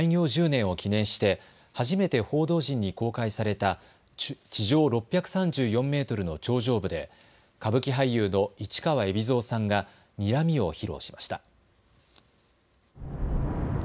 １０年を記念して初めて報道陣に公開された地上６３４メートルの頂上部で歌舞伎俳優の市川海老蔵さんがにらみを披露しました。